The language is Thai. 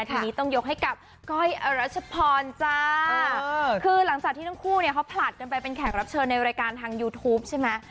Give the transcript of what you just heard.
ทีนี้ต้องยกให้กับก้อยอรัชพรจ้าคือหลังจากที่ทั้งคู่เนี่ยเขาผลัดกันไปเป็นแขกรับเชิญในรายการทางยูทูปใช่ไหม